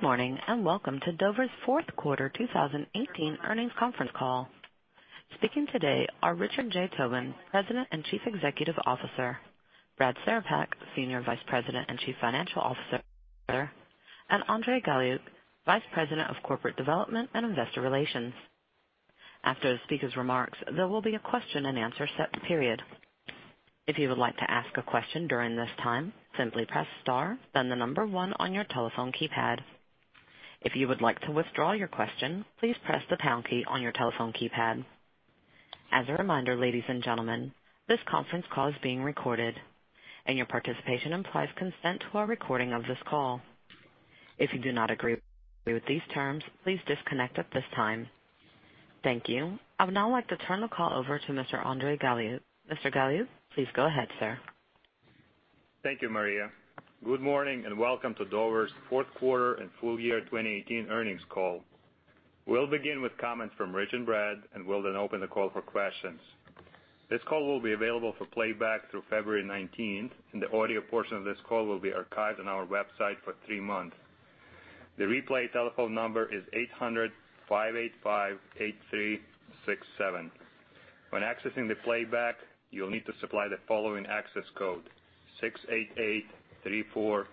Good morning, welcome to Dover's fourth quarter 2018 earnings conference call. Speaking today are Richard J. Tobin, President and Chief Executive Officer. Brad Cerepak, Senior Vice President and Chief Financial Officer, and Andrey Galiuk, Vice President of Corporate Development and Investor Relations. After the speaker's remarks, there will be a question and answer set period. If you would like to ask a question during this time, simply press star, then number 1 on your telephone keypad. If you would like to withdraw your question, please press the pound key on your telephone keypad. As a reminder, ladies and gentlemen, this conference call is being recorded, your participation implies consent to a recording of this call. If you do not agree with these terms, please disconnect at this time. Thank you. I would now like to turn the call over to Mr. Andrey Galiuk. Mr. Galiuk, please go ahead, sir. Thank you, Maria. Good morning, welcome to Dover's fourth quarter and full year 2018 earnings call. We'll begin with comments from Rich and Brad, we'll then open the call for questions. This call will be available for playback through February 19th, the audio portion of this call will be archived on our website for three months. The replay telephone number is 800-585-8367. When accessing the playback, you'll need to supply the following access code, 6883448.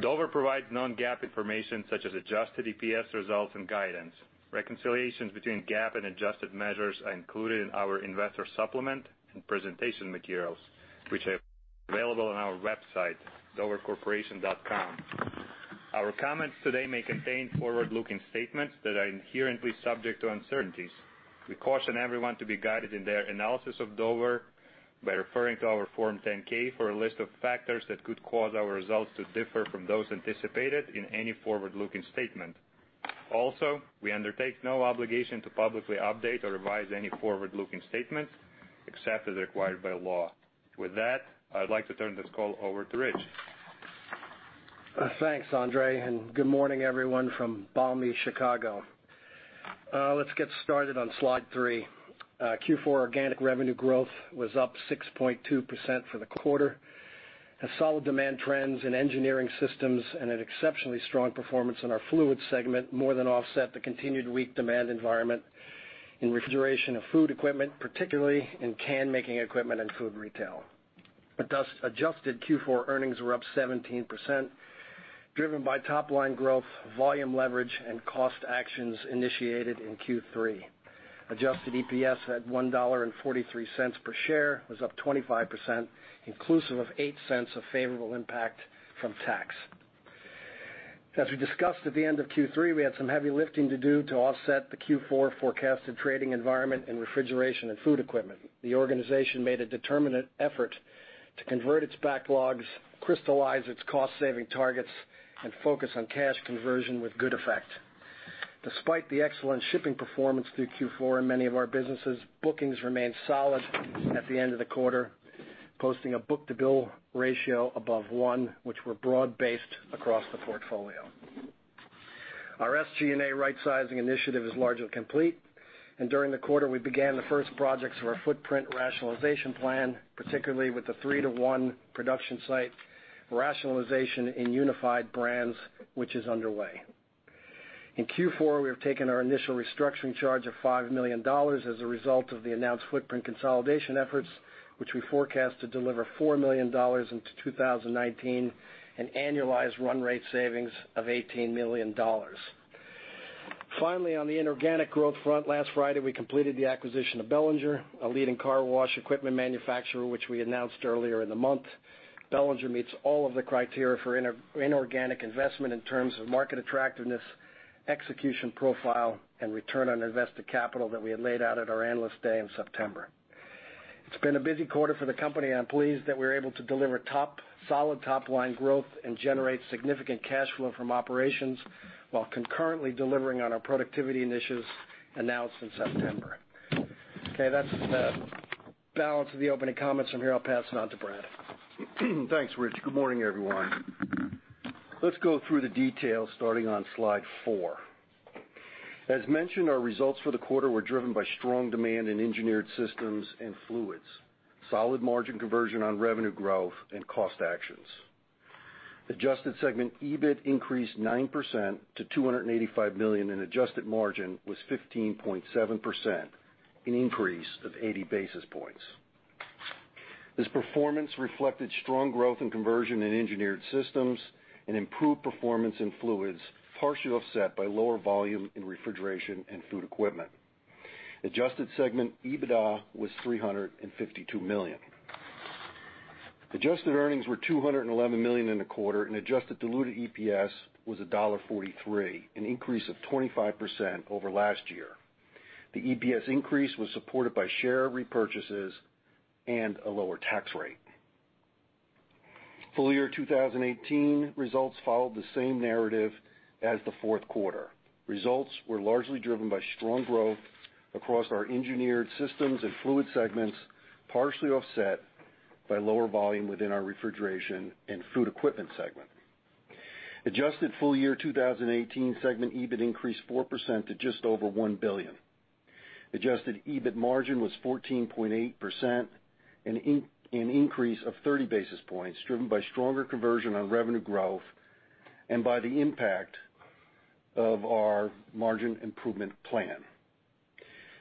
Dover provides non-GAAP information such as adjusted EPS results and guidance. Reconciliations between GAAP and adjusted measures are included in our investor supplement and presentation materials, which are available on our website, dovercorporation.com. Our comments today may contain forward-looking statements that are inherently subject to uncertainties. We caution everyone to be guided in their analysis of Dover by referring to our Form 10-K for a list of factors that could cause our results to differ from those anticipated in any forward-looking statement. We undertake no obligation to publicly update or revise any forward-looking statements, except as required by law. With that, I'd like to turn this call over to Rich. Thanks, Andrey, and good morning, everyone from balmy Chicago. Let's get started on slide three. Q4 organic revenue growth was up 6.2% for the quarter. Solid demand trends in Engineered Systems and an exceptionally strong performance in our fluids segment more than offset the continued weak demand environment in Refrigeration and Food Equipment, particularly in can-making equipment and food retail. Adjusted Q4 earnings were up 17%, driven by top-line growth, volume leverage, and cost actions initiated in Q3. Adjusted EPS at $1.43 per share was up 25%, inclusive of $0.08 of favorable impact from tax. As we discussed at the end of Q3, we had some heavy lifting to do to offset the Q4 forecasted trading environment in Refrigeration and Food Equipment. The organization made a determinate effort to convert its backlogs, crystallize its cost-saving targets, and focus on cash conversion with good effect. Despite the excellent shipping performance through Q4 in many of our businesses, bookings remained solid at the end of the quarter, posting a book-to-bill ratio above one, which were broad-based across the portfolio. Our SG&A rightsizing initiative is largely complete. During the quarter, we began the first projects for our footprint rationalization plan, particularly with the three to one production site rationalization in Unified Brands, which is underway. In Q4, we have taken our initial restructuring charge of $5 million as a result of the announced footprint consolidation efforts, which we forecast to deliver $4 million into 2019, an annualized run rate savings of $18 million. Finally, on the inorganic growth front, last Friday, we completed the acquisition of Belanger, a leading car wash equipment manufacturer, which we announced earlier in the month. Belanger meets all of the criteria for inorganic investment in terms of market attractiveness, execution profile, and return on invested capital that we had laid out at our Analyst Day in September. It's been a busy quarter for the company. I'm pleased that we're able to deliver solid top-line growth and generate significant cash flow from operations while concurrently delivering on our productivity initiatives announced in September. Okay, that's the balance of the opening comments. From here, I'll pass it on to Brad. Thanks, Rich. Good morning, everyone. Let's go through the details starting on slide four. As mentioned, our results for the quarter were driven by strong demand in Engineered Systems and fluids, solid margin conversion on revenue growth, and cost actions. Adjusted segment EBIT increased 9% to $285 million, and adjusted margin was 15.7%, an increase of 80 basis points. This performance reflected strong growth and conversion in Engineered Systems and improved performance in fluids, partially offset by lower volume in Refrigeration and Food Equipment. Adjusted segment EBITDA was $352 million. Adjusted earnings were $211 million in the quarter, and adjusted diluted EPS was $1.43, an increase of 25% over last year. The EPS increase was supported by share repurchases and a lower tax rate. Full-year 2018 results followed the same narrative as the fourth quarter. Results were largely driven by strong growth across our Engineered Systems and Fluids segments, partially offset by lower volume within our Refrigeration and Food Equipment segment. Adjusted full-year 2018 segment EBIT increased 4% to just over $1 billion. Adjusted EBIT margin was 14.8%, an increase of 30 basis points, driven by stronger conversion on revenue growth and by the impact of our margin improvement plan.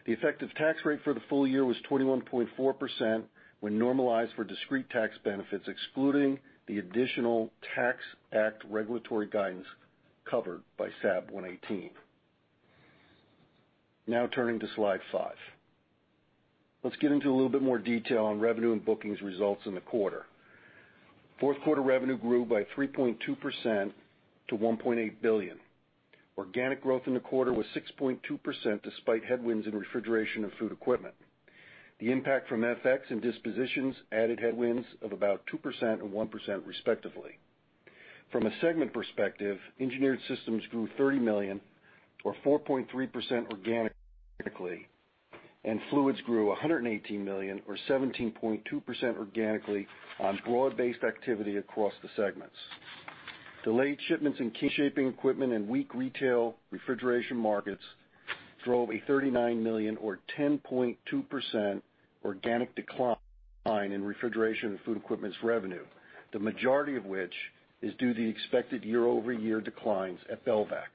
The effective tax rate for the full year was 21.4% when normalized for discrete tax benefits, excluding the additional tax act regulatory guidance covered by SAB 118. Turning to slide five, let's get into a little bit more detail on revenue and bookings results in the quarter. Fourth quarter revenue grew by 3.2% to $1.8 billion. Organic growth in the quarter was 6.2%, despite headwinds in Refrigeration and Food Equipment. The impact from FX and dispositions added headwinds of about 2% and 1%, respectively. From a segment perspective, Engineered Systems grew $30 million or 4.3% organically, and Fluids grew $118 million or 17.2% organically on broad-based activity across the segments. Delayed shipments in can-making equipment and weak retail refrigeration markets drove a $39 million or 10.2% organic decline in Refrigeration and Food Equipment's revenue, the majority of which is due to the expected year-over-year declines at Belvac.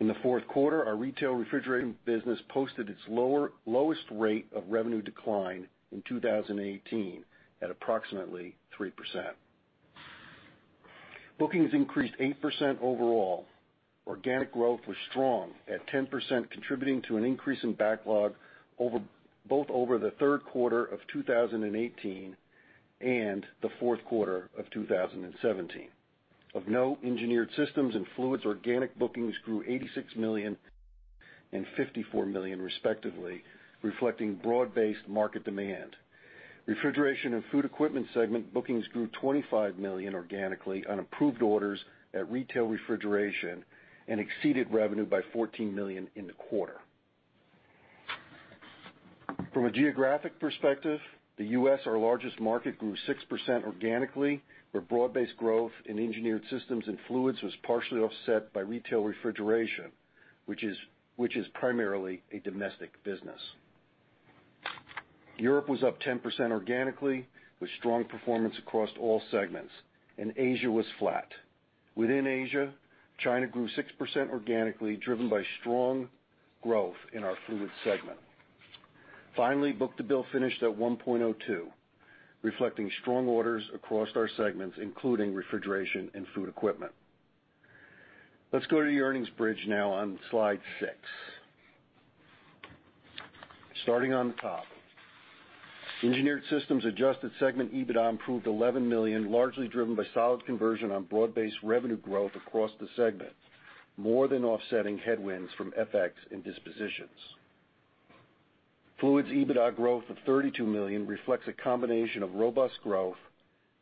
In the fourth quarter, our retail refrigeration business posted its lowest rate of revenue decline in 2018 at approximately 3%. Bookings increased 8% overall. Organic growth was strong at 10%, contributing to an increase in backlog both over the third quarter of 2018 and the fourth quarter of 2017. Of note, Engineered Systems and Fluids organic bookings grew $86 million and $54 million, respectively, reflecting broad-based market demand. Refrigeration and Food Equipment segment bookings grew $25 million organically on improved orders at retail refrigeration and exceeded revenue by $14 million in the quarter. From a geographic perspective, the U.S., our largest market, grew 6% organically, where broad-based growth in Engineered Systems and Fluids was partially offset by retail refrigeration, which is primarily a domestic business. Europe was up 10% organically, with strong performance across all segments, and Asia was flat. Within Asia, China grew 6% organically, driven by strong growth in our Fluids segment. Finally, book-to-bill finished at 1.02, reflecting strong orders across our segments, including Refrigeration and Food Equipment. Let's go to the earnings bridge now on slide six. Starting on the top, Engineered Systems adjusted segment EBITDA improved $11 million, largely driven by solid conversion on broad-based revenue growth across the segment, more than offsetting headwinds from FX and dispositions. Fluids EBITDA growth of $32 million reflects a combination of robust growth,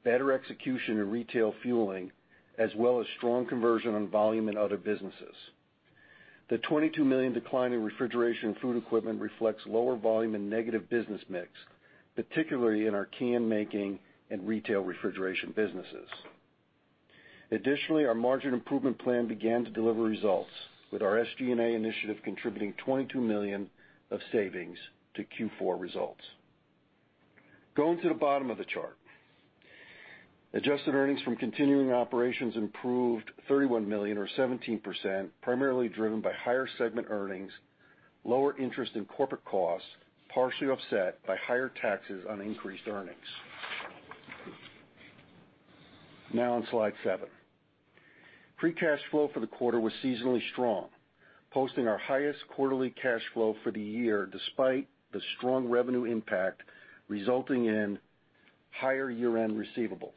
better execution in retail fueling, as well as strong conversion on volume in other businesses. The $22 million decline in Refrigeration and Food Equipment reflects lower volume and negative business mix, particularly in our can-making and retail refrigeration businesses. Additionally, our margin improvement plan began to deliver results, with our SG&A initiative contributing $22 million of savings to Q4 results. Going to the bottom of the chart, adjusted earnings from continuing operations improved $31 million or 17%, primarily driven by higher segment earnings, lower interest in corporate costs, partially offset by higher taxes on increased earnings. On slide seven, free cash flow for the quarter was seasonally strong, posting our highest quarterly cash flow for the year despite the strong revenue impact resulting in higher year-end receivables.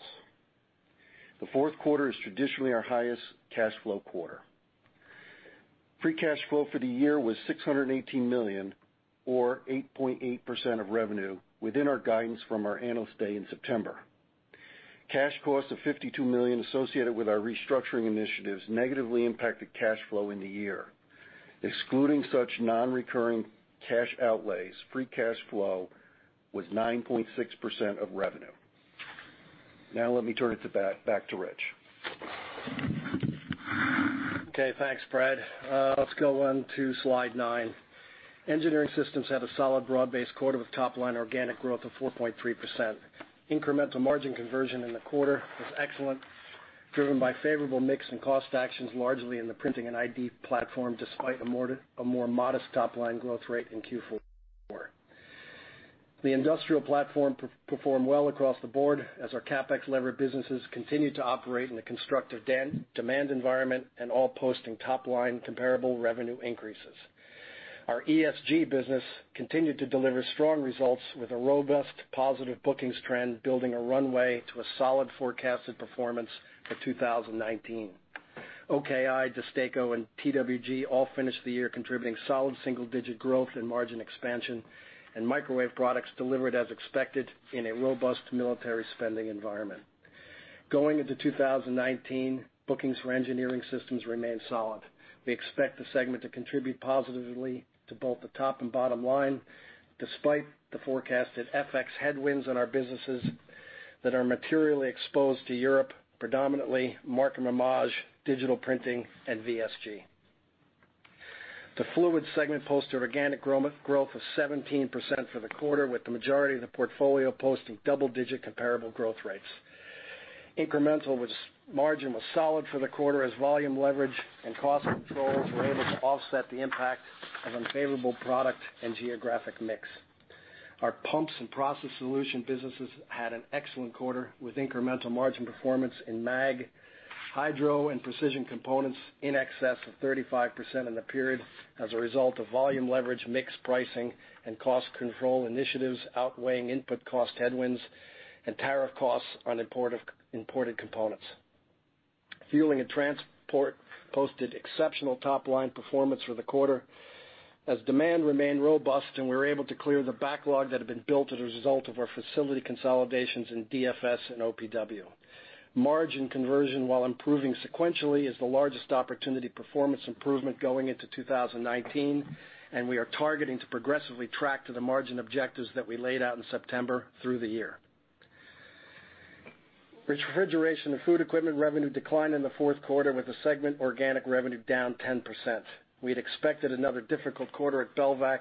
The fourth quarter is traditionally our highest cash flow quarter. Free cash flow for the year was $618 million, or 8.8% of revenue, within our guidance from our Analyst Day in September. Cash costs of $52 million associated with our restructuring initiatives negatively impacted cash flow in the year. Excluding such non-recurring cash outlays, free cash flow was 9.6% of revenue. Let me turn it back to Rich. Okay. Thanks, Brad. Let's go on to slide nine. Engineered Systems had a solid broad-based quarter with top-line organic growth of 4.3%. Incremental margin conversion in the quarter was excellent, driven by favorable mix and cost actions largely in the Printing & Identification platform, despite a more modest top-line growth rate in Q4. The industrial platform performed well across the board as our CapEx-levered businesses continued to operate in the constructive demand environment and all posting top-line comparable revenue increases. Our ESG business continued to deliver strong results with a robust positive bookings trend, building a runway to a solid forecasted performance for 2019. OKI, DESTACO and TWG all finished the year contributing solid single-digit growth and margin expansion, and Microwave Products delivered as expected in a robust military spending environment. Going into 2019, bookings for Engineered Systems remain solid. We expect the segment to contribute positively to both the top and bottom line, despite the forecasted FX headwinds on our businesses that are materially exposed to Europe, predominantly Markem-Imaje, Digital Printing, and VSG. The Fluids Segment posted organic growth of 17% for the quarter, with the majority of the portfolio posting double-digit comparable growth rates. Incremental margin was solid for the quarter as volume leverage and cost controls were able to offset the impact of unfavorable product and geographic mix. Our pumps and process solution businesses had an excellent quarter, with incremental margin performance in Maag, Hydro, and Precision Components in excess of 35% in the period as a result of volume leverage, mixed pricing, and cost control initiatives outweighing input cost headwinds and tariff costs on imported components. Fueling and Transport posted exceptional top-line performance for the quarter as demand remained robust, and we were able to clear the backlog that had been built as a result of our facility consolidations in DFS and OPW. Margin conversion, while improving sequentially, is the largest opportunity performance improvement going into 2019, and we are targeting to progressively track to the margin objectives that we laid out in September through the year. Refrigeration and Food Equipment revenue declined in the fourth quarter, with the segment organic revenue down 10%. We had expected another difficult quarter at Belvac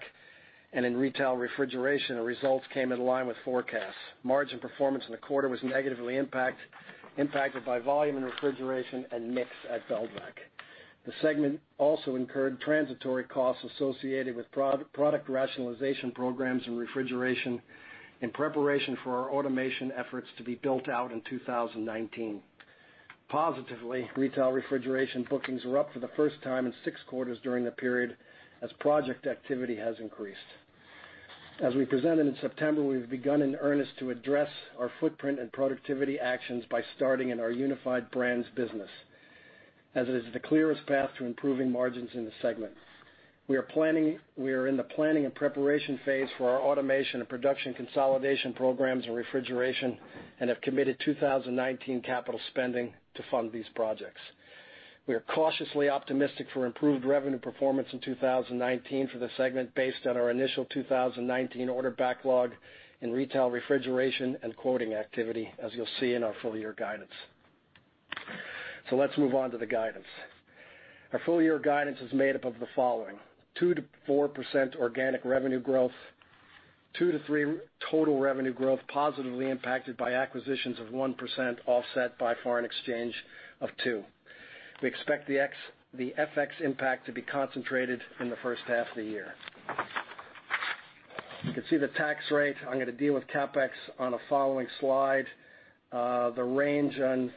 and in retail refrigeration, and results came in line with forecasts. Margin performance in the quarter was negatively impacted by volume in refrigeration and mix at Belvac. The segment also incurred transitory costs associated with product rationalization programs in refrigeration in preparation for our automation efforts to be built out in 2019. Positively, retail refrigeration bookings were up for the first time in six quarters during the period as project activity has increased. As we presented in September, we've begun in earnest to address our footprint and productivity actions by starting in our Unified Brands business, as it is the clearest path to improving margins in the segment. We are in the planning and preparation phase for our automation and production consolidation programs in refrigeration and have committed 2019 capital spending to fund these projects. We are cautiously optimistic for improved revenue performance in 2019 for the segment, based on our initial 2019 order backlog in retail refrigeration and quoting activity, as you'll see in our full-year guidance. Let's move on to the guidance. Our full-year guidance is made up of the following. 2%-4% organic revenue growth, 2%-3% total revenue growth positively impacted by acquisitions of 1%, offset by FX of 2%. We expect the FX impact to be concentrated in the first half of the year. You can see the tax rate. I'm going to deal with CapEx on a following slide. The range on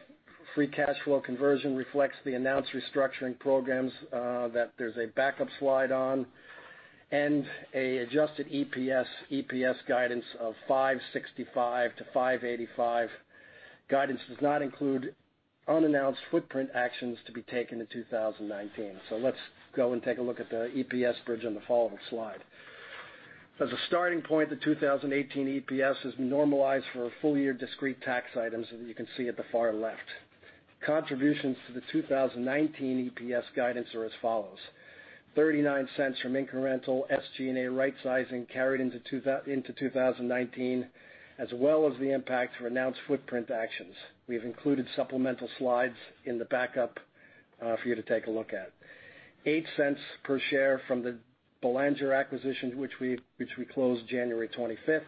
free cash flow conversion reflects the announced restructuring programs that there's a backup slide on, and an adjusted EPS guidance of $5.65-$5.85. Guidance does not include unannounced footprint actions to be taken in 2019. Let's go and take a look at the EPS bridge on the following slide. As a starting point, the 2018 EPS has been normalized for full-year discrete tax items that you can see at the far left. Contributions to the 2019 EPS guidance are as follows. $0.39 from incremental SG&A rightsizing carried into 2019, as well as the impact for announced footprint actions. We have included supplemental slides in the backup for you to take a look at. $0.08 per share from the Belanger acquisition, which we closed January 25th.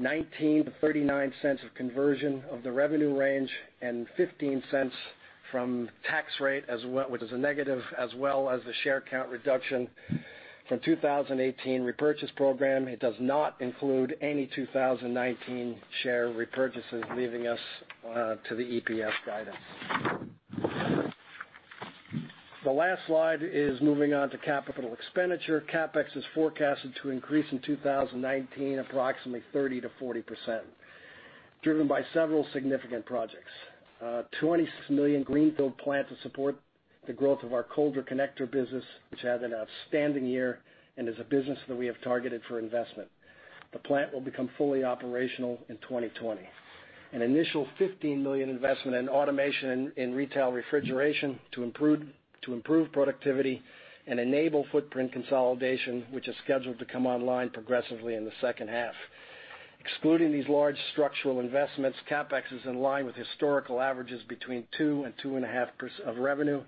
$0.19-$0.39 of conversion of the revenue range, and $0.15 from tax rate, which is a negative, as well as the share count reduction from 2018 repurchase program. It does not include any 2019 share repurchases, leaving us to the EPS guidance. The last slide is moving on to capital expenditure. CapEx is forecasted to increase in 2019 approximately 30%-40%, driven by several significant projects. A $26 million greenfield plant to support the growth of our Colder connector business, which had an outstanding year and is a business that we have targeted for investment. The plant will become fully operational in 2020. An initial $15 million investment in automation in retail refrigeration to improve productivity and enable footprint consolidation, which is scheduled to come online progressively in the second half. Excluding these large structural investments, CapEx is in line with historical averages between 2%-2.5% of revenue,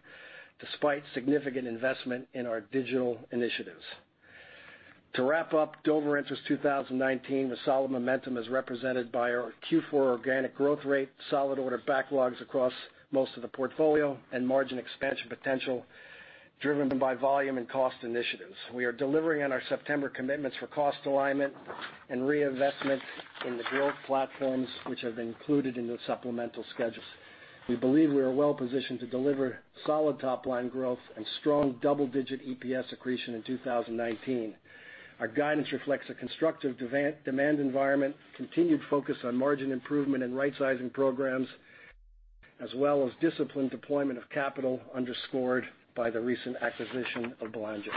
despite significant investment in our digital initiatives. Dover enters 2019 with solid momentum as represented by our Q4 organic growth rate, solid order backlogs across most of the portfolio, and margin expansion potential driven by volume and cost initiatives. We are delivering on our September commitments for cost alignment and reinvestment in the growth platforms, which have been included in those supplemental schedules. We believe we are well positioned to deliver solid top-line growth and strong double-digit EPS accretion in 2019. Our guidance reflects a constructive demand environment, continued focus on margin improvement and rightsizing programs, as well as disciplined deployment of capital underscored by the recent acquisition of Belanger.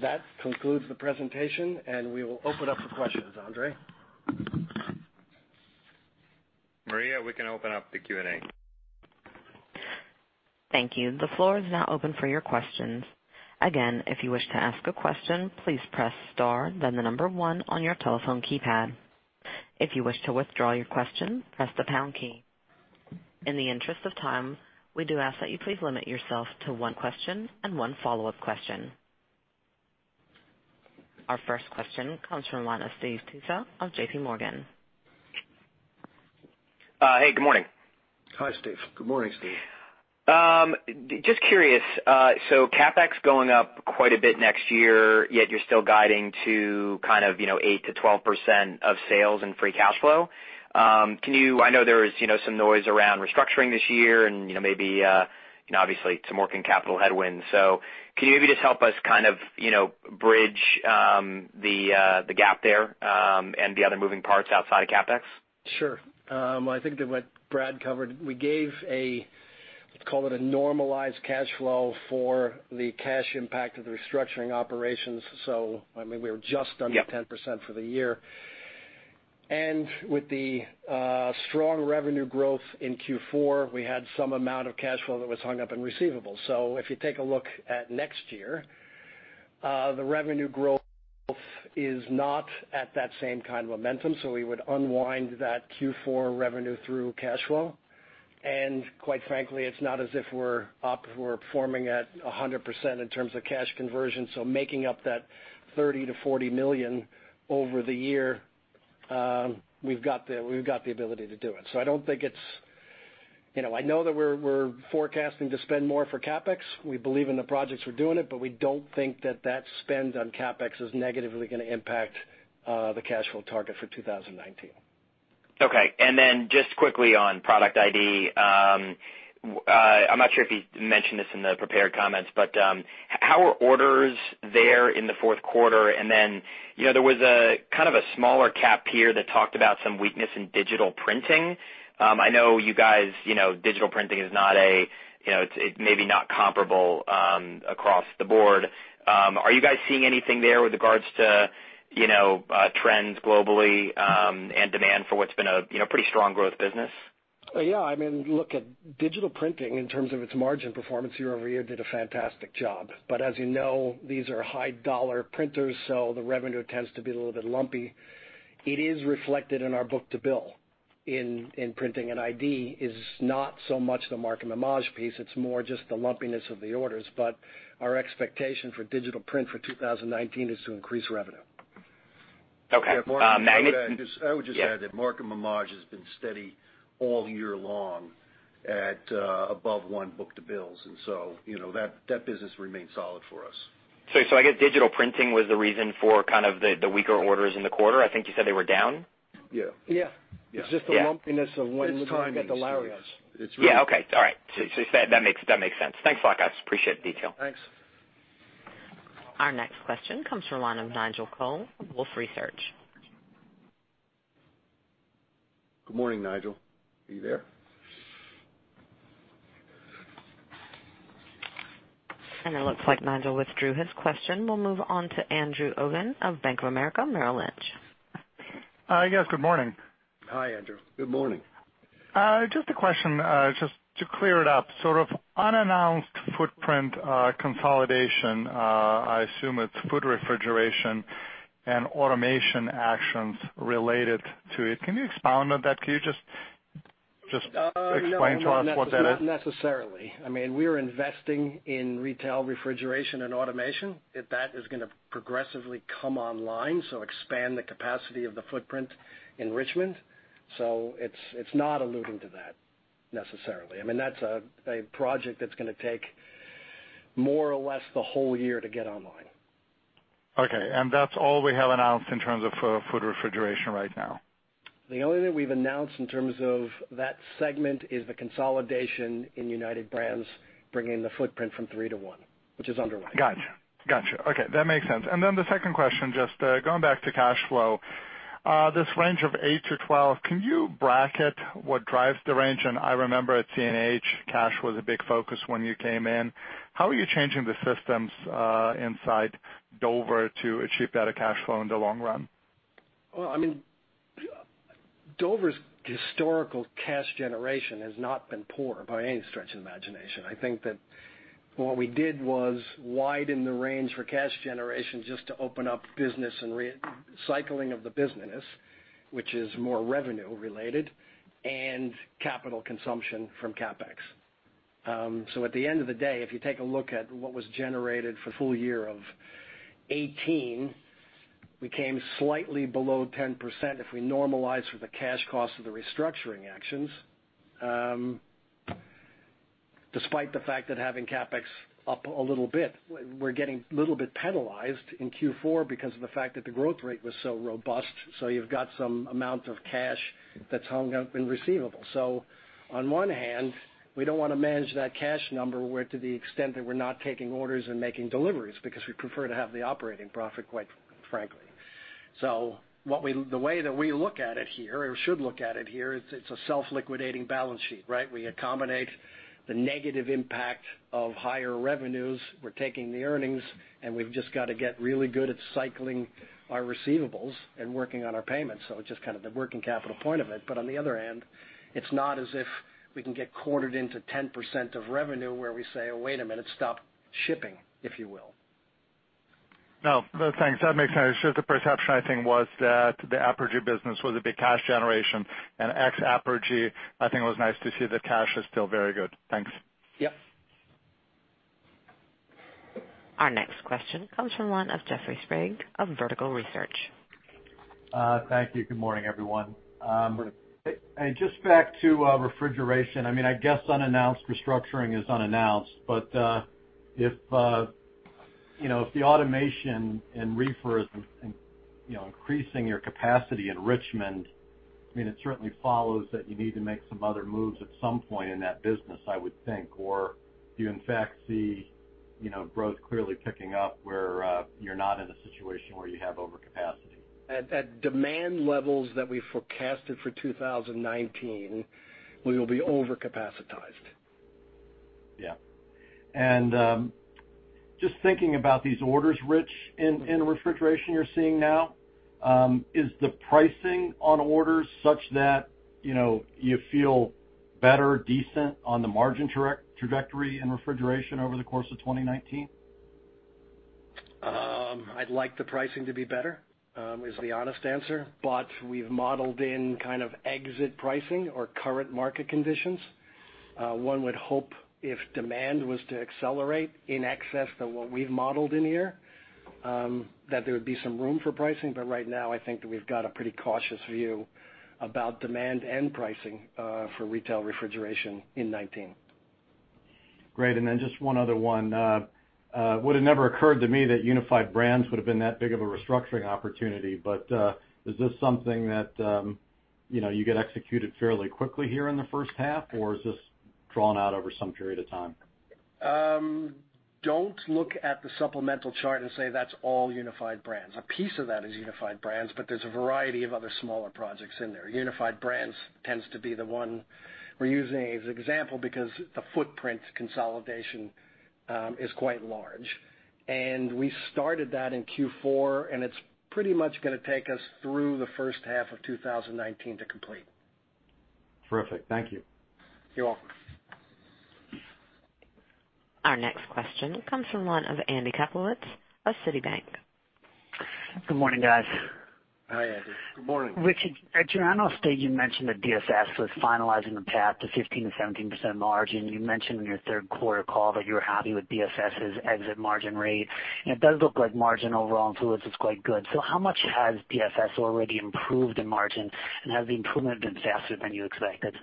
That concludes the presentation, and we will open up for questions. Andrey? Maria, we can open up the Q&A. Thank you. The floor is now open for your questions. Again, if you wish to ask a question, please press star then the number one on your telephone keypad. If you wish to withdraw your question, press the pound key. In the interest of time, we do ask that you please limit yourself to one question and one follow-up question. Our first question comes from the line of Steve Tusa of JPMorgan. Hey, good morning. Hi, Steve. Good morning, Steve. Just curious. CapEx going up quite a bit next year, yet you're still guiding to kind of 8%-12% of sales and free cash flow. I know there is some noise around restructuring this year and maybe, obviously, some working capital headwinds. Can you maybe just help us kind of bridge the gap there, and the other moving parts outside of CapEx? Sure. I think that what Brad covered, we gave a, call it a normalized cash flow for the cash impact of the restructuring operations. I mean, we were just under 10% for the year. With the strong revenue growth in Q4, we had some amount of cash flow that was hung up in receivables. If you take a look at next year, the revenue growth is not at that same kind of momentum. We would unwind that Q4 revenue through cash flow. Quite frankly, it's not as if we're up, we're performing at 100% in terms of cash conversion. Making up that $30 million-$40 million over the year, we've got the ability to do it. I know that we're forecasting to spend more for CapEx. We believe in the projects we're doing it, we don't think that spend on CapEx is negatively going to impact the cash flow target for 2019. Okay. Just quickly on product ID, I'm not sure if you mentioned this in the prepared comments, how are orders there in the fourth quarter? There was a kind of a smaller cap peer that talked about some weakness in digital printing. I know you guys, digital printing, it's maybe not comparable across the board. Are you guys seeing anything there with regards to trends globally, and demand for what's been a pretty strong growth business? Yeah, I mean, look at digital printing in terms of its margin performance year-over-year, did a fantastic job. As you know, these are high-dollar printers, the revenue tends to be a little bit lumpy. It is reflected in our book-to-bill in printing, and ID is not so much the Markem-Imaje piece, it's more just the lumpiness of the orders. Our expectation for digital print for 2019 is to increase revenue. Okay. Markem-Image, can I add? Yeah. I would just add that Markem-Imaje has been steady all year long at above 1 book-to-bill. That business remains solid for us. I guess Dover Digital Printing was the reason for kind of the weaker orders in the quarter. I think you said they were down. Yeah. Yeah. Yeah. It's just the lumpiness of when we get the low areas. It's timing, Steve. Yeah, okay. All right. That makes sense. Thanks a lot, guys. Appreciate the detail. Thanks. Our next question comes from the line of Nigel Coe, Wolfe Research. Good morning, Nigel. Are you there? It looks like Nigel withdrew his question. We'll move on to Andrew Obin of Bank of America, Merrill Lynch. Yes, good morning. Hi, Andrew. Good morning. Just a question, just to clear it up. Sort of unannounced footprint consolidation, I assume it's food refrigeration and automation actions related to it. Can you expound on that? Can you just explain to us what that is? No, not necessarily. I mean, we are investing in retail refrigeration and automation. That is going to progressively come online. Expand the capacity of the footprint in Richmond. It's not alluding to that necessarily. I mean, that's a project that's going to take more or less the whole year to get online. Okay. That's all we have announced in terms of food refrigeration right now. The only thing we've announced in terms of that segment is the consolidation in Unified Brands bringing the footprint from three to one, which is underway. Got you. Okay, that makes sense. The second question, just going back to cash flow. This range of eight to 12, can you bracket what drives the range? I remember at CNH, cash was a big focus when you came in. How are you changing the systems inside Dover to achieve better cash flow in the long run? Well, I mean, Dover's historical cash generation has not been poor by any stretch of the imagination. I think that what we did was widen the range for cash generation just to open up business and recycling of the business, which is more revenue related, and capital consumption from CapEx. At the end of the day, if you take a look at what was generated for full year of 2018, we came slightly below 10% if we normalize for the cash cost of the restructuring actions. Despite the fact that having CapEx up a little bit, we're getting a little bit penalized in Q4 because of the fact that the growth rate was so robust. You've got some amount of cash that's hung up in receivables. On one hand, we don't want to manage that cash number where to the extent that we're not taking orders and making deliveries because we prefer to have the operating profit, quite frankly. The way that we look at it here, or should look at it here, it's a self-liquidating balance sheet, right? We accommodate the negative impact of higher revenues. We're taking the earnings, and we've just got to get really good at cycling our receivables and working on our payments. It's just kind of the working capital point of it. On the other hand, it's not as if we can get quartered into 10% of revenue where we say, "Oh, wait a minute, stop shipping," if you will. No. No, thanks. That makes sense. Just the perception, I think, was that the Apergy business was a big cash generation, and ex Apergy, I think it was nice to see the cash is still very good. Thanks. Yep. Our next question comes from the line of Jeffrey Sprague of Vertical Research. Thank you. Good morning, everyone. Good morning. Just back to refrigeration. I guess, unannounced restructuring is unannounced, but if the automation in reefers increasing your capacity in Richmond, it certainly follows that you need to make some other moves at some point in that business, I would think. Do you in fact see growth clearly picking up where you're not in a situation where you have overcapacity? At demand levels that we forecasted for 2019, we will be over-capacitized. Yeah. Just thinking about these orders, Rich, in refrigeration you're seeing now, is the pricing on orders such that you feel better, decent on the margin trajectory in refrigeration over the course of 2019? I'd like the pricing to be better, is the honest answer. We've modeled in kind of exit pricing or current market conditions. One would hope if demand was to accelerate in excess to what we've modeled in here, that there would be some room for pricing. Right now, I think that we've got a pretty cautious view about demand and pricing for retail refrigeration in 2019. Great. Just one other one. Would have never occurred to me that Unified Brands would've been that big of a restructuring opportunity. Is this something that you get executed fairly quickly here in the first half, or is this drawn out over some period of time? Don't look at the supplemental chart and say that's all Unified Brands. A piece of that is Unified Brands, but there's a variety of other smaller projects in there. Unified Brands tends to be the one we're using as example because the footprint consolidation is quite large. We started that in Q4, and it's pretty much going to take us through the first half of 2019 to complete. Terrific. Thank you. You're welcome. Our next question comes from the line of Andy Kaplowitz of Citibank. Good morning, guys. Hi, Andy. Good morning. Richard, at your annual stage, you mentioned that DFS was finalizing the path to 15%-17% margin. You mentioned in your third quarter call that you were happy with DFS's exit margin rate, and it does look like margin overall in fluids is quite good. How much has DFS already improved in margin, and has the improvement been faster than you expected?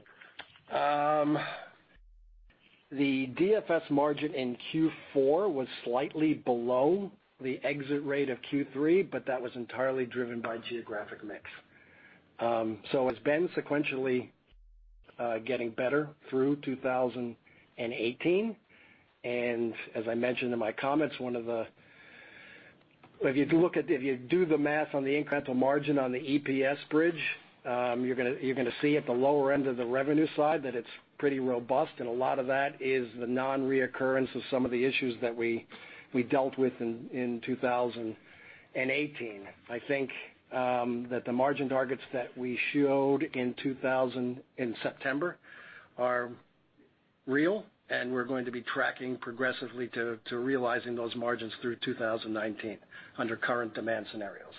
The DFS margin in Q4 was slightly below the exit rate of Q3, but that was entirely driven by geographic mix. It's been sequentially getting better through 2018, and as I mentioned in my comments, if you do the math on the incremental margin on the EPS bridge, you're going to see at the lower end of the revenue side that it's pretty robust, and a lot of that is the non-reoccurrence of some of the issues that we dealt with in 2018. I think that the margin targets that we showed in September are real, and we're going to be tracking progressively to realizing those margins through 2019 under current demand scenarios.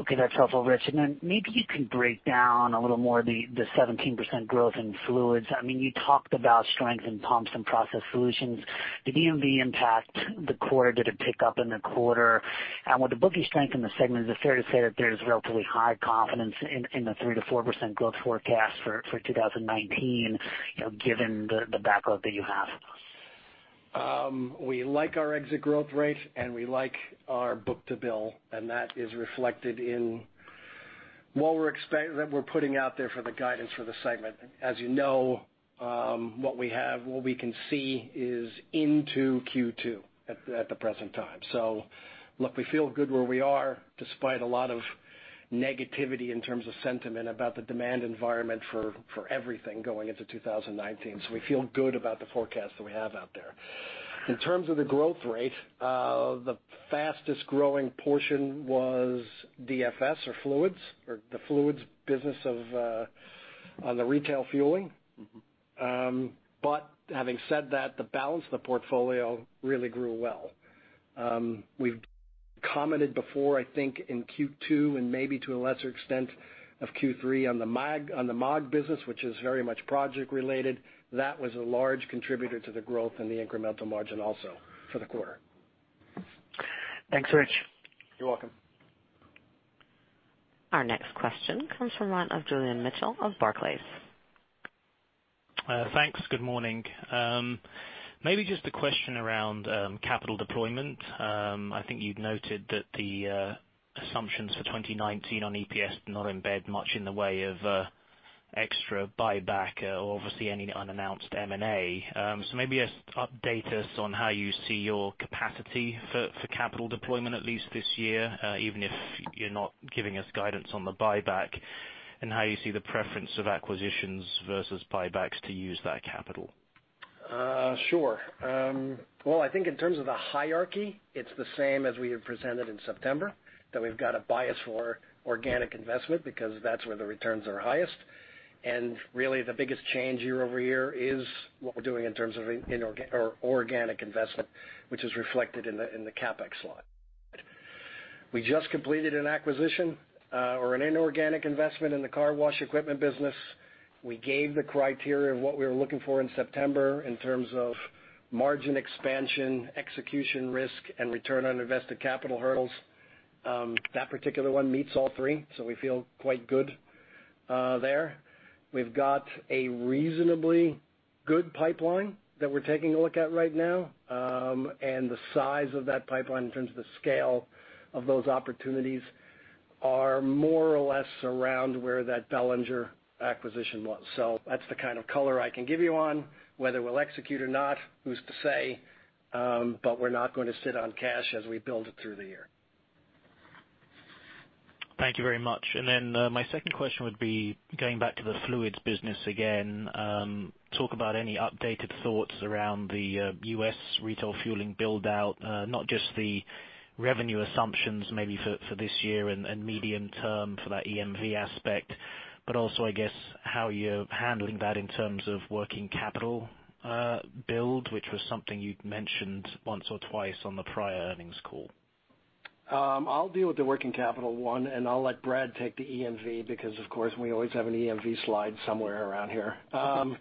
Okay. That's helpful, Rich. Maybe you can break down a little more the 17% growth in fluids. You talked about strength in Pumps & Process Solutions. Did EMV impact the quarter? Did it pick up in the quarter? With the book-to-bill strength in the segment, is it fair to say that there's relatively high confidence in the 3%-4% growth forecast for 2019 given the backlog that you have? We like our exit growth rate, we like our book-to-bill, and that is reflected in what we're putting out there for the guidance for the segment. As you know, what we have, what we can see is into Q2 at the present time. We feel good where we are despite a lot of negativity in terms of sentiment about the demand environment for everything going into 2019. We feel good about the forecast that we have out there. In terms of the growth rate, the fastest growing portion was DFS or fluids, or the fluids business on the retail fueling. Having said that, the balance of the portfolio really grew well. We've commented before, I think in Q2 and maybe to a lesser extent of Q3 on the Maag business, which is very much project related. That was a large contributor to the growth in the incremental margin also for the quarter. Thanks, Rich. You're welcome. Our next question comes from the line of Julian Mitchell of Barclays. Thanks. Good morning. Maybe just a question around capital deployment. I think you'd noted that the assumptions for 2019 on EPS did not embed much in the way of extra buyback or obviously any unannounced M&A. Maybe just update us on how you see your capacity for capital deployment, at least this year, even if you're not giving us guidance on the buyback. And how you see the preference of acquisitions versus buybacks to use that capital. Sure. Well, I think in terms of the hierarchy, it's the same as we had presented in September, that we've got a bias for organic investment because that's where the returns are highest. Really the biggest change year-over-year is what we're doing in terms of organic investment, which is reflected in the CapEx slide. We just completed an acquisition, or an inorganic investment in the car wash equipment business. We gave the criteria of what we were looking for in September in terms of margin expansion, execution risk, and return on invested capital hurdles. That particular one meets all three, so we feel quite good there. We've got a reasonably good pipeline that we're taking a look at right now. The size of that pipeline in terms of the scale of those opportunities are more or less around where that Belanger acquisition was. That's the kind of color I can give you on. Whether we'll execute or not, who's to say? We're not going to sit on cash as we build it through the year. Thank you very much. My second question would be going back to the fluids business again. Talk about any updated thoughts around the U.S. retail fueling build-out, not just the revenue assumptions maybe for this year and medium term for that EMV aspect, but also, I guess how you're handling that in terms of working capital build, which was something you'd mentioned once or twice on the prior earnings call. I'll deal with the working capital one, and I'll let Brad take the EMV because of course we always have an EMV slide somewhere around here. On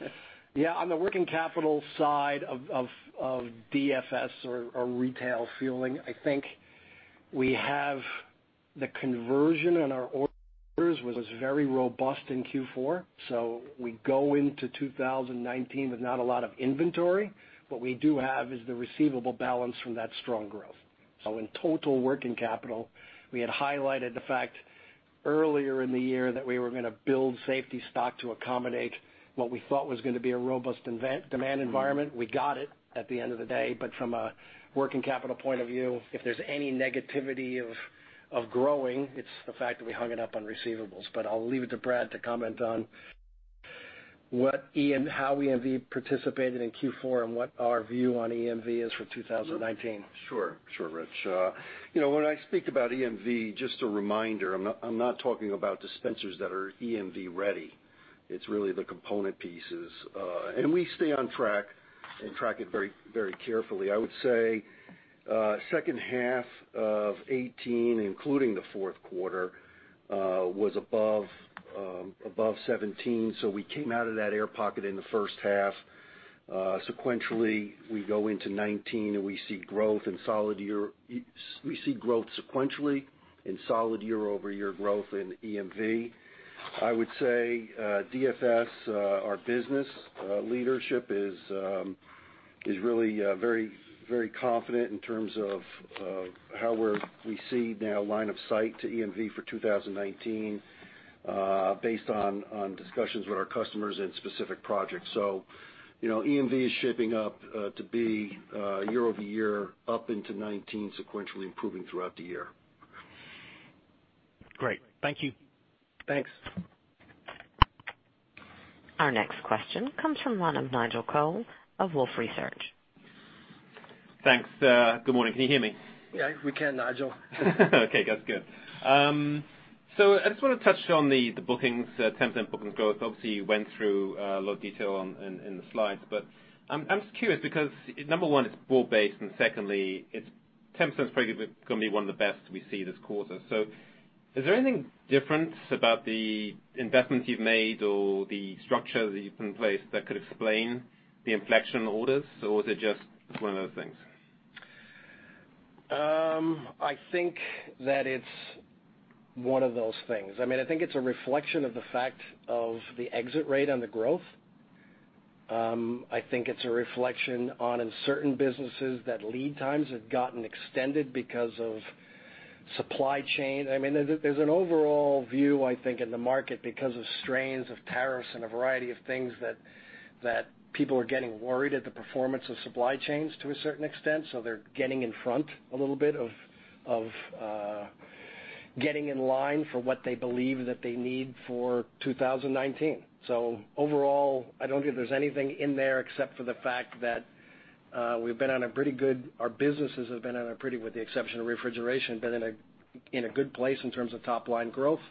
the working capital side of DFS or retail fueling, I think we have the conversion in our orders was very robust in Q4, we go into 2019 with not a lot of inventory. What we do have is the receivable balance from that strong growth. In total working capital, we had highlighted the fact earlier in the year that we were going to build safety stock to accommodate what we thought was going to be a robust demand environment. We got it at the end of the day, from a working capital point of view, if there's any negativity of growing, it's the fact that we hung it up on receivables. I'll leave it to Brad to comment on how EMV participated in Q4 and what our view on EMV is for 2019. Sure, Rich. When I speak about EMV, just a reminder, I am not talking about dispensers that are EMV-ready. It is really the component pieces. We stay on track and track it very carefully. I would say second half of 2018, including the fourth quarter, was above 2017. We came out of that air pocket in the first half. Sequentially, we go into 2019, and we see growth sequentially and solid year-over-year growth in EMV. I would say, DFS, our business leadership is really very confident in terms of how we see now line of sight to EMV for 2019, based on discussions with our customers in specific projects. EMV is shaping up to be year-over-year up into 2019, sequentially improving throughout the year. Great. Thank you. Thanks. Our next question comes from Nigel Coe of Wolfe Research. Thanks. Good morning. Can you hear me? Yeah, we can, Nigel. Okay, that's good. I just want to touch on the bookings, the 10% bookings growth. Obviously, you went through a lot of detail in the slides, I'm just curious because, number one, it's broad-based, and secondly, 10% is probably going to be one of the best we see this quarter. Is there anything different about the investments you've made or the structure that you've put in place that could explain the inflection in orders, or was it just one of those things? I think that it's one of those things. I think it's a reflection of the fact of the exit rate on the growth. I think it's a reflection on certain businesses that lead times have gotten extended because of supply chain. There's an overall view, I think, in the market because of strains of tariffs and a variety of things that people are getting worried at the performance of supply chains to a certain extent. They're getting in front a little bit of getting in line for what they believe that they need for 2019. Overall, I don't think there's anything in there except for the fact that our businesses have been on a pretty, with the exception of refrigeration, been in a good place in terms of top-line growth.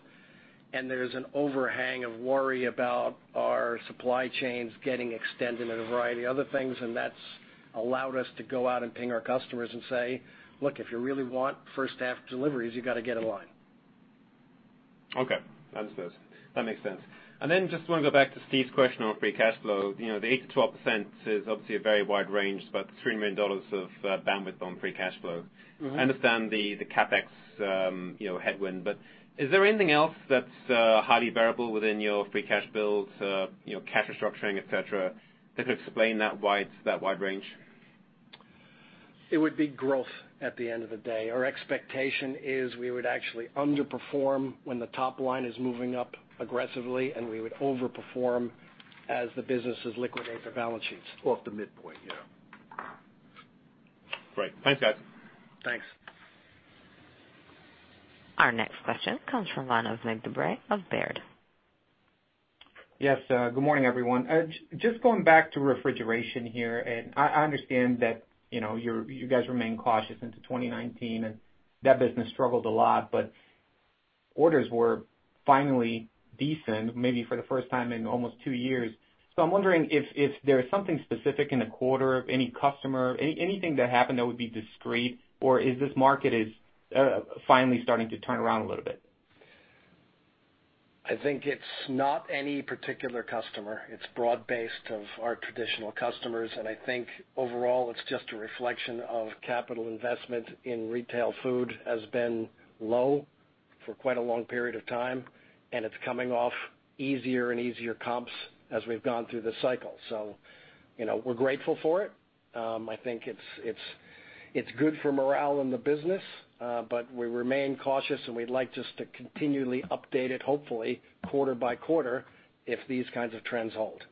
There's an overhang of worry about our supply chains getting extended and a variety of other things, and that's allowed us to go out and ping our customers and say, "Look, if you really want first half deliveries, you got to get in line. Okay. Understood. That makes sense. Just want to go back to Steve's question on free cash flow. The 8%-12% is obviously a very wide range, about $300 million of bandwidth on free cash flow. I understand the CapEx headwind, is there anything else that's highly variable within your free cash builds, cash restructuring, et cetera, that could explain that wide range? It would be growth at the end of the day. Our expectation is we would actually underperform when the top line is moving up aggressively, we would over-perform as the businesses liquidate their balance sheets. Off the midpoint, yeah. Great. Thanks, guys. Thanks. Our next question comes from line of Nick Dubreuil of Baird. Yes. Good morning, everyone. Just going back to refrigeration here, I understand that you guys remain cautious into 2019. That business struggled a lot. Orders were finally decent, maybe for the first time in almost two years. I'm wondering if there's something specific in the quarter, any customer, anything that happened that would be discrete, or is this market is finally starting to turn around a little bit? I think it's not any particular customer. It's broad-based of our traditional customers. I think overall it's just a reflection of capital investment in retail food has been low for quite a long period of time. It's coming off easier and easier comps as we've gone through this cycle. We're grateful for it. I think it's good for morale in the business. We remain cautious, we'd like just to continually update it, hopefully quarter by quarter, if these kinds of trends hold.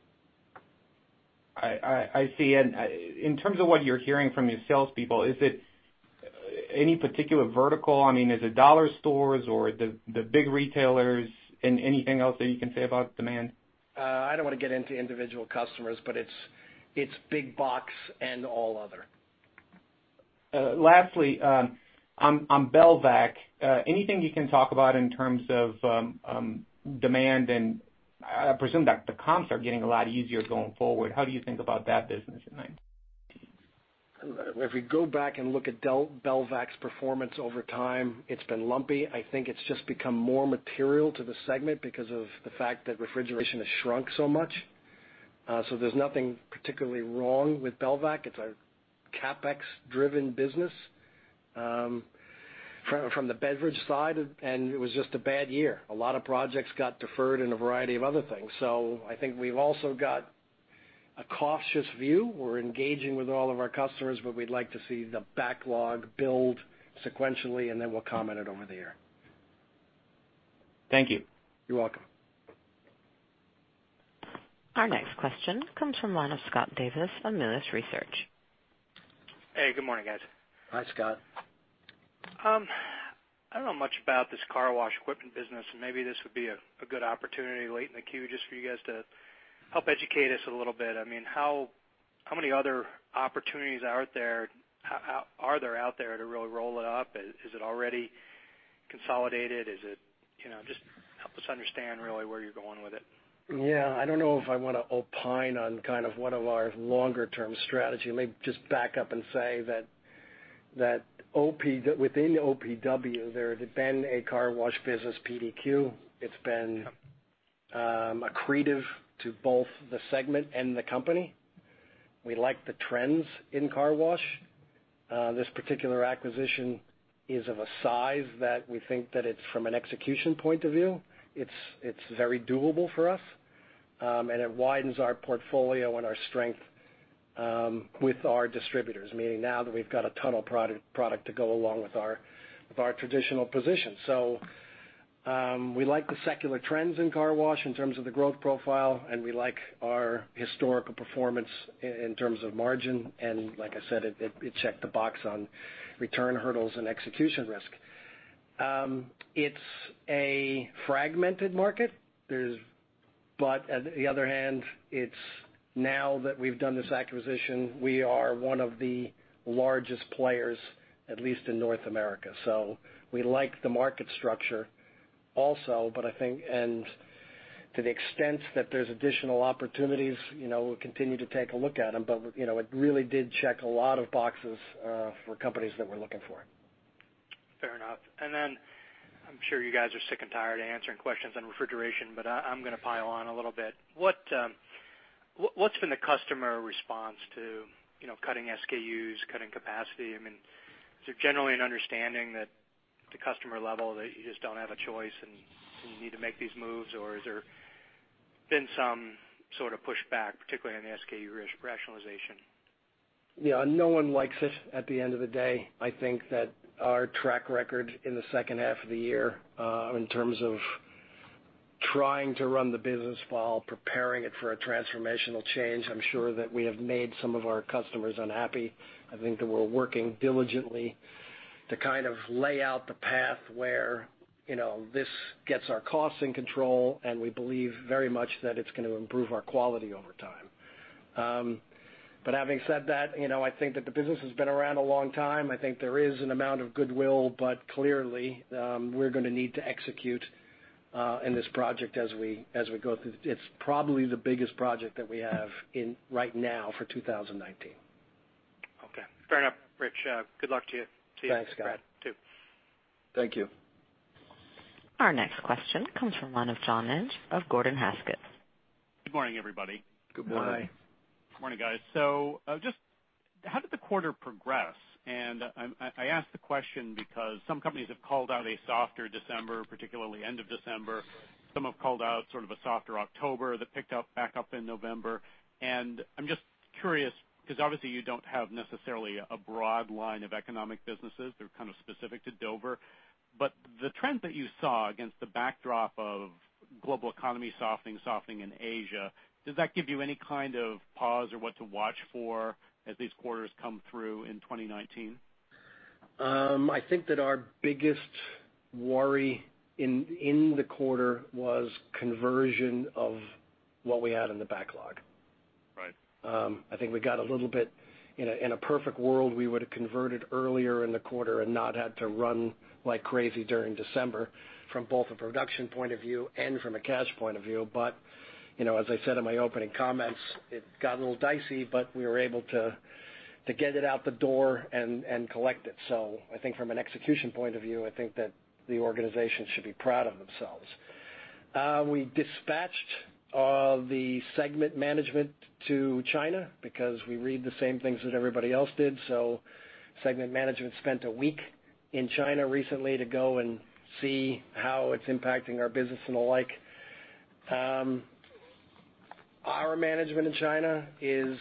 I see. In terms of what you're hearing from your salespeople, is it any particular vertical? Is it dollar stores or the big retailers? Anything else that you can say about demand? I don't want to get into individual customers. It's big box and all other. Lastly, on Belvac, anything you can talk about in terms of demand? I presume that the comps are getting a lot easier going forward. How do you think about that business in 2019? If we go back and look at Belvac's performance over time, it's been lumpy. I think it's just become more material to the segment because of the fact that refrigeration has shrunk so much. There's nothing particularly wrong with Belvac. It's a CapEx-driven business from the beverage side. It was just a bad year. A lot of projects got deferred and a variety of other things. I think we've also got a cautious view. We're engaging with all of our customers, but we'd like to see the backlog build sequentially. Then we'll comment it over the air. Thank you. You're welcome. Our next question comes from line of Scott Davis from Melius Research. Hey, good morning, guys. Hi, Scott. I don't know much about this car wash equipment business, maybe this would be a good opportunity late in the queue just for you guys to help educate us a little bit. How many other opportunities are there out there to really roll it up? Is it already consolidated? Just help us understand really where you're going with it. Yeah. I don't know if I want to opine on kind of one of our longer term strategy. Let me just back up and say that within OPW, there has been a car wash business PDQ. It's been accretive to both the segment and the company. We like the trends in car wash. This particular acquisition is of a size that we think that it's from an execution point of view. It's very doable for us. It widens our portfolio and our strength with our distributors, meaning now that we've got a tunnel product to go along with our traditional position. We like the secular trends in car wash in terms of the growth profile, and we like our historical performance in terms of margin, and like I said, it checked the box on return hurdles and execution risk. It's a fragmented market. At the other hand, now that we've done this acquisition, we are one of the largest players, at least in North America. We like the market structure also, and to the extent that there's additional opportunities, we'll continue to take a look at them. It really did check a lot of boxes for companies that we're looking for. Fair enough. Then I'm sure you guys are sick and tired of answering questions on refrigeration, but I'm going to pile on a little bit. What's been the customer response to cutting SKUs, cutting capacity? Is there generally an understanding at the customer level, that you just don't have a choice and you need to make these moves, or has there been some sort of pushback, particularly on the SKU rationalization? Yeah. No one likes it at the end of the day. I think that our track record in the second half of the year, in terms of trying to run the business while preparing it for a transformational change, I'm sure that we have made some of our customers unhappy. I think that we're working diligently to kind of lay out the path where this gets our costs in control, we believe very much that it's going to improve our quality over time. Having said that, I think that the business has been around a long time. I think there is an amount of goodwill, but clearly, we're going to need to execute in this project as we go through. It's probably the biggest project that we have right now for 2019. Okay. Fair enough, Rich. Good luck to you. Thanks, Scott. Brad too. Thank you. Our next question comes from line of John Inch of Gordon Haskett. Good morning, everybody. Good morning. Hi. Good morning, guys. Just how did the quarter progress? I ask the question because some companies have called out a softer December, particularly end of December. Some have called out sort of a softer October that picked back up in November. I'm just curious, because obviously you don't have necessarily a broad line of economic businesses. They're kind of specific to Dover. But the trend that you saw against the backdrop of global economy softening in Asia, does that give you any kind of pause or what to watch for as these quarters come through in 2019? I think that our biggest worry in the quarter was conversion of what we had in the backlog. Right. I think we got a little bit in a perfect world, we would've converted earlier in the quarter and not had to run like crazy during December from both a production point of view and from a cash point of view. As I said in my opening comments, it got a little dicey, but we were able to get it out the door and collect it. I think from an execution point of view, I think that the organization should be proud of themselves. We dispatched the segment management to China because we read the same things that everybody else did, segment management spent a week in China recently to go and see how it's impacting our business and the like. Our management in China is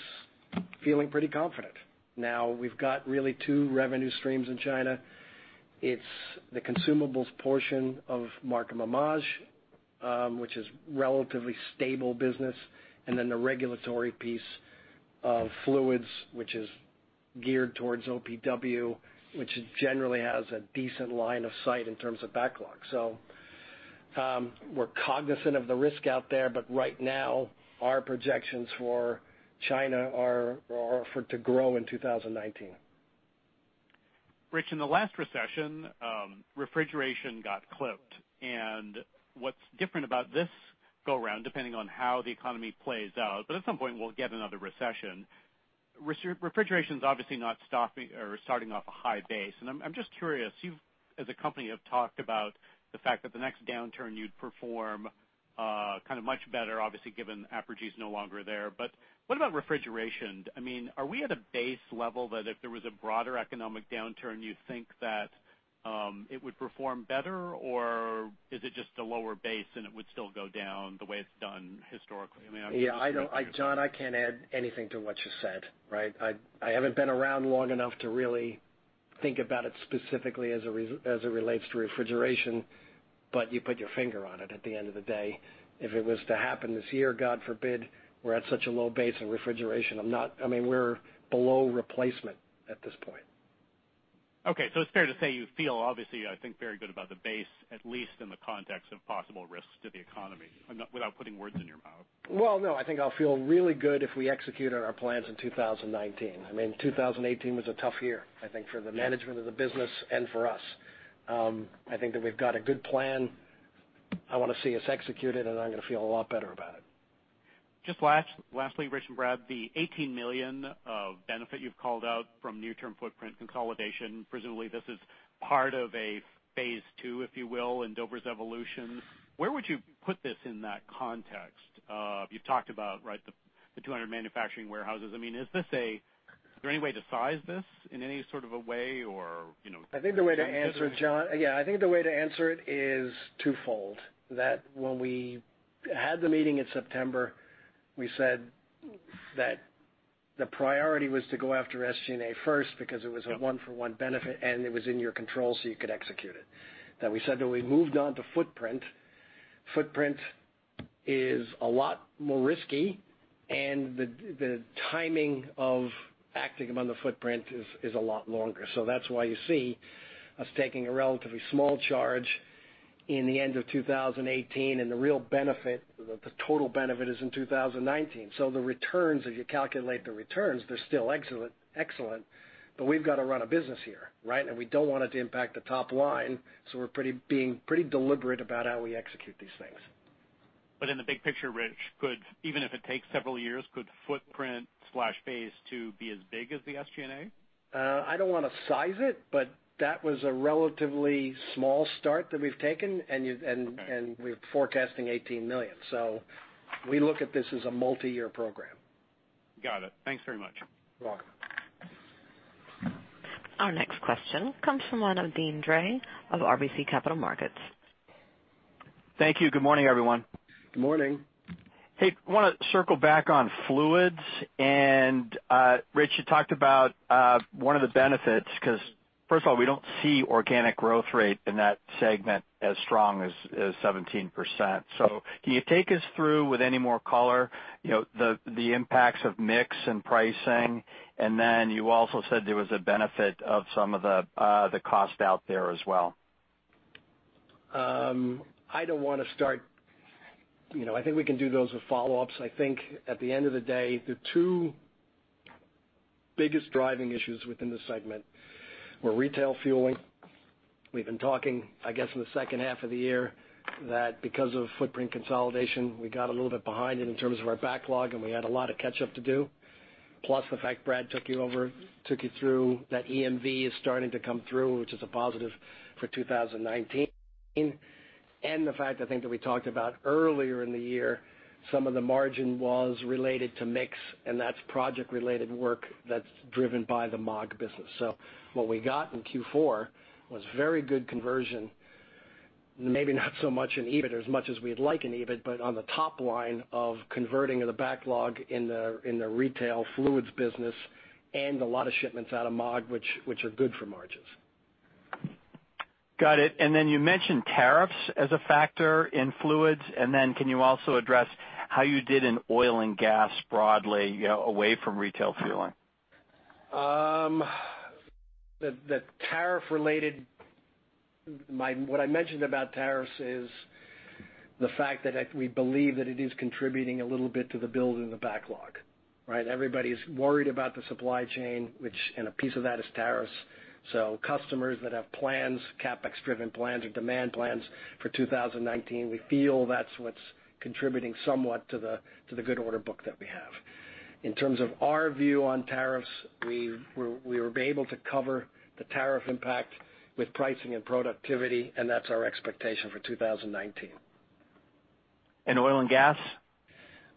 feeling pretty confident. We've got really two revenue streams in China. It's the consumables portion of Markem-Imaje, which is relatively stable business, then the regulatory piece of fluids, which is geared towards OPW, which generally has a decent line of sight in terms of backlog. We're cognizant of the risk out there, but right now, our projections for China are for it to grow in 2019. Rich, in the last recession, refrigeration got clipped. What's different about this go-around, depending on how the economy plays out, but at some point, we'll get another recession. Refrigeration's obviously not starting off a high base. I'm just curious, you as a company have talked about the fact that the next downturn you'd perform kind of much better, obviously, given Apergy's no longer there. What about refrigeration? Are we at a base level that if there was a broader economic downturn, you think that it would perform better? Or is it just a lower base and it would still go down the way it's done historically? I mean, I'm just curious about it. Yeah, John, I can't add anything to what you said, right? I haven't been around long enough to really think about it specifically as it relates to refrigeration, but you put your finger on it at the end of the day. If it was to happen this year, God forbid, we're at such a low base in refrigeration. We're below replacement at this point. Okay. It's fair to say you feel obviously, I think, very good about the base, at least in the context of possible risks to the economy, without putting words in your mouth. Well, no. I think I'll feel really good if we execute on our plans in 2019. 2018 was a tough year, I think, for the management of the business and for us. I think that we've got a good plan. I want to see us execute it, and I'm going to feel a lot better about it. Just lastly, Rich and Brad, the $18 million of benefit you've called out from near-term footprint consolidation. Presumably, this is part of a phase two, if you will, in Dover's evolution. Where would you put this in that context of you've talked about the 200 manufacturing warehouses. Is there any way to size this in any sort of a way or- I think the way to answer it, John, is twofold. That when we had the meeting in September, we said that the priority was to go after SG&A first because it was a one-for-one benefit, and it was in your control, so you could execute it. We said that we moved on to footprint. Footprint is a lot more risky, and the timing of acting upon the footprint is a lot longer. That's why you see us taking a relatively small charge in the end of 2018, and the real benefit, the total benefit, is in 2019. The returns, if you calculate the returns, they're still excellent. We've got to run a business here, right? We don't want it to impact the top line, so we're being pretty deliberate about how we execute these things. In the big picture, Rich, even if it takes several years, could footprint/phase two be as big as the SG&A? I don't want to size it, but that was a relatively small start that we've taken, and we're forecasting $18 million. We look at this as a multi-year program. Got it. Thanks very much. You're welcome. Our next question comes from the line of Deane Dray of RBC Capital Markets. Thank you. Good morning, everyone. Good morning. Hey. Want to circle back on fluids. Rich, you talked about one of the benefits, because first of all, we don't see organic growth rate in that segment as strong as 17%. Can you take us through with any more color, the impacts of mix and pricing? Then you also said there was a benefit of some of the cost out there as well. I don't want to start. I think we can do those with follow-ups. I think at the end of the day, the two biggest driving issues within the segment were retail fueling. We've been talking, I guess, in the second half of the year that because of footprint consolidation, we got a little bit behind it in terms of our backlog, and we had a lot of catch up to do. Plus the fact Brad took you through that EMV is starting to come through, which is a positive for 2019. The fact, I think, that we talked about earlier in the year, some of the margin was related to mix, and that's project-related work that's driven by the Maag business. What we got in Q4 was very good conversion. Maybe not so much in EBIT or as much as we'd like in EBIT, but on the top line of converting the backlog in the retail fluids business and a lot of shipments out of Maag, which are good for margins. Got it. You mentioned tariffs as a factor in fluids, can you also address how you did in oil and gas broadly away from retail fueling? What I mentioned about tariffs is the fact that we believe that it is contributing a little bit to the build in the backlog, right? Everybody's worried about the supply chain, and a piece of that is tariffs. Customers that have plans, CapEx-driven plans or demand plans for 2019, we feel that's what's contributing somewhat to the good order book that we have. In terms of our view on tariffs, we will be able to cover the tariff impact with pricing and productivity, and that's our expectation for 2019. Oil and gas?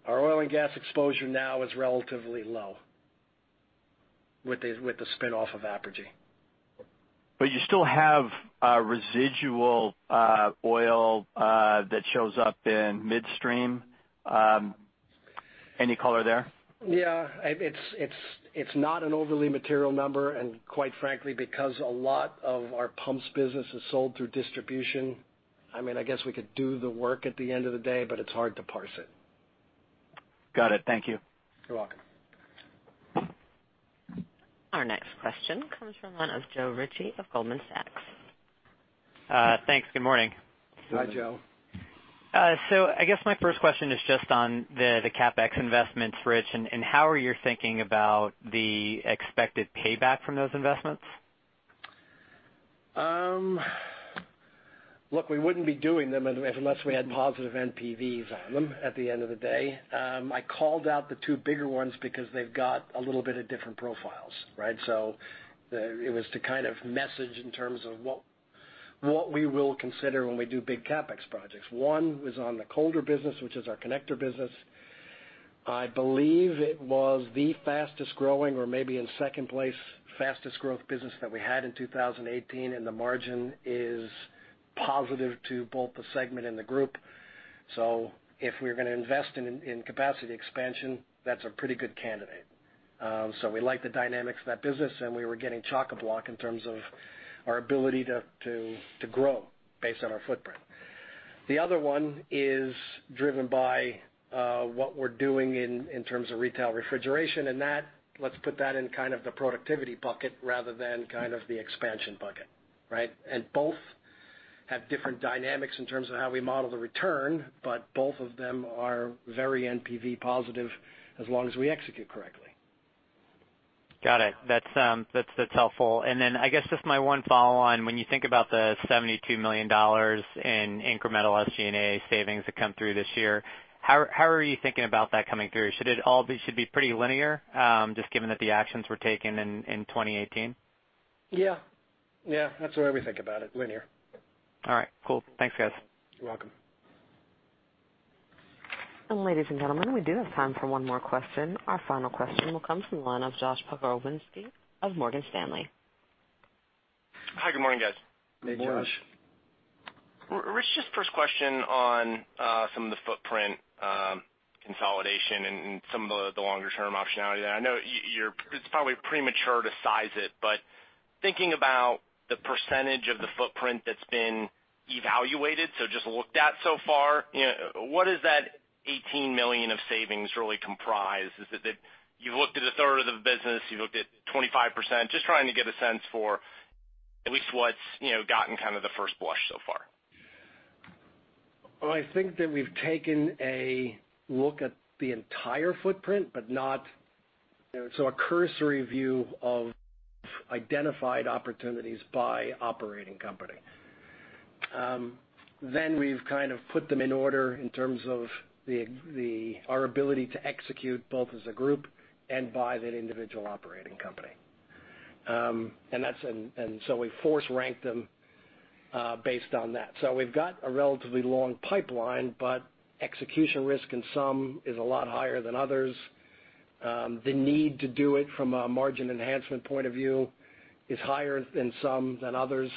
Our oil and gas exposure now is relatively low with the spinoff of Apergy. You still have residual oil that shows up in midstream. Any color there? Yeah. It's not an overly material number, quite frankly, because a lot of our pumps business is sold through distribution. I guess we could do the work at the end of the day, it's hard to parse it. Got it. Thank you. You're welcome. Our next question comes from the line of Joe Ritchie of Goldman Sachs. Thanks. Good morning. Hi, Joe. I guess my first question is just on the CapEx investments, Rich, and how are you thinking about the expected payback from those investments? Look, we wouldn't be doing them unless we had positive NPVs on them at the end of the day. I called out the two bigger ones because they've got a little bit of different profiles, right? It was to kind of message in terms of what we will consider when we do big CapEx projects. One was on the Colder business, which is our connector business. I believe it was the fastest-growing or maybe in second place fastest growth business that we had in 2018, and the margin is positive to both the segment and the group. If we're going to invest in capacity expansion, that's a pretty good candidate. We like the dynamics of that business, and we were getting chock-a-block in terms of our ability to grow based on our footprint. The other one is driven by what we're doing in terms of retail refrigeration, and let's put that in kind of the productivity bucket rather than kind of the expansion bucket, right? Both have different dynamics in terms of how we model the return, but both of them are very NPV positive as long as we execute correctly. Got it. That's helpful. Then I guess just my one follow-on, when you think about the $72 million in incremental SG&A savings that come through this year, how are you thinking about that coming through? Should it all be pretty linear, just given that the actions were taken in 2018? Yeah. That's the way we think about it, linear. All right, cool. Thanks, guys. You're welcome. Ladies and gentlemen, we do have time for one more question. Our final question will come from the line of Josh Pokrzywinski of Morgan Stanley. Hi, good morning, guys. Hey, Josh. Rich, just first question on some of the footprint consolidation and some of the longer-term optionality there. I know it's probably premature to size it, thinking about the percentage of the footprint that's been evaluated, so just looked at so far, what does that $18 million of savings really comprise? Is it that you've looked at a third of the business, you've looked at 25%? Just trying to get a sense for at least what's gotten kind of the first blush so far. I think that we've taken a look at the entire footprint, a cursory view of identified opportunities by operating company. We've kind of put them in order in terms of our ability to execute both as a group and by that individual operating company. We force rank them based on that. We've got a relatively long pipeline, execution risk in some is a lot higher than others. The need to do it from a margin enhancement point of view is higher in some than others.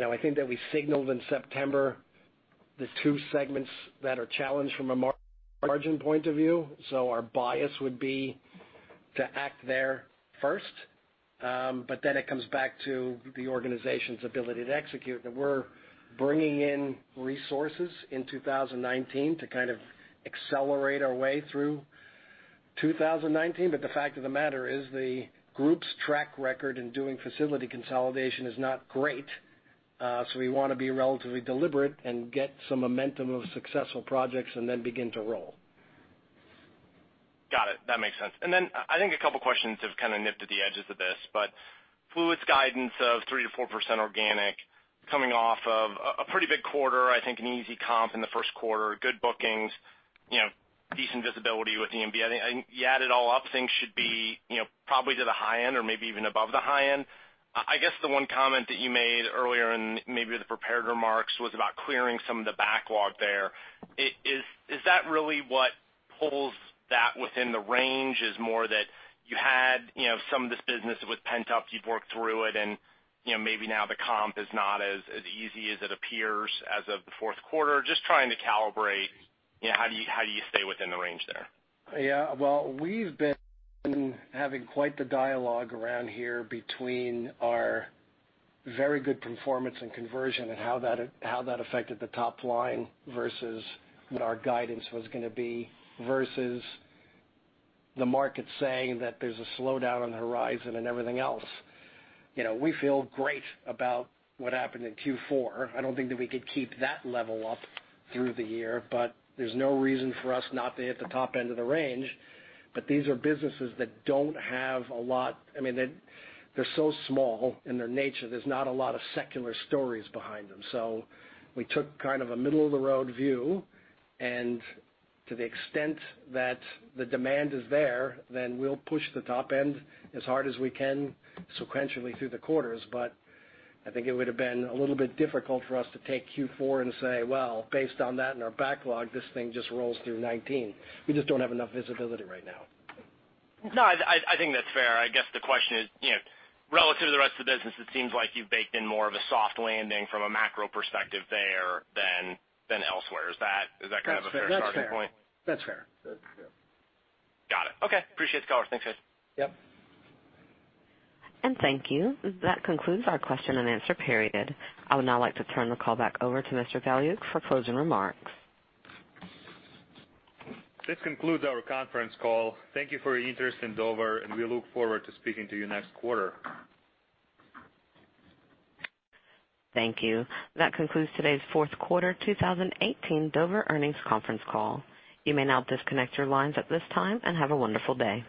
I think that we signaled in September the two segments that are challenged from a margin point of view. Our bias would be to act there first. It comes back to the organization's ability to execute, that we're bringing in resources in 2019 to kind of accelerate our way through 2019. The fact of the matter is the group's track record in doing facility consolidation is not great. We want to be relatively deliberate and get some momentum of successful projects and then begin to roll. Got it. That makes sense. Then I think a couple of questions have kind of nipped at the edges of this, fluids guidance of 3%-4% organic coming off of a pretty big quarter, I think an easy comp in the first quarter, good bookings, decent visibility with EMV. I think you add it all up, things should be probably to the high end or maybe even above the high end. I guess the one comment that you made earlier in maybe the prepared remarks was about clearing some of the backlog there. Is that really what pulls that within the range is more that you had some of this business that was pent up, you've worked through it, and maybe now the comp is not as easy as it appears as of the fourth quarter. Just trying to calibrate, how do you stay within the range there? Yeah. Well, we've been having quite the dialogue around here between our very good conformance and conversion and how that affected the top line versus what our guidance was going to be versus the market saying that there's a slowdown on the horizon and everything else. We feel great about what happened in Q4. I don't think that we could keep that level up through the year, there's no reason for us not to hit the top end of the range. These are businesses that they're so small in their nature, there's not a lot of secular stories behind them. We took kind of a middle-of-the-road view, and to the extent that the demand is there, then we'll push the top end as hard as we can sequentially through the quarters. I think it would've been a little bit difficult for us to take Q4 and say, "Well, based on that and our backlog, this thing just rolls through 2019." We just don't have enough visibility right now. No, I think that's fair. I guess the question is, relative to the rest of the business, it seems like you've baked in more of a soft landing from a macro perspective there than elsewhere. Is that kind of a fair starting point? That's fair. Got it. Okay. Appreciate the call. Thanks, guys. Yep. Thank you. That concludes our question and answer period. I would now like to turn the call back over to Mr. Galiuk for closing remarks. This concludes our conference call. Thank you for your interest in Dover, and we look forward to speaking to you next quarter. Thank you. That concludes today's fourth quarter 2018 Dover earnings conference call. You may now disconnect your lines at this time, and have a wonderful day.